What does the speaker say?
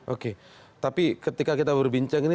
oke tapi ketika kita berbincang ini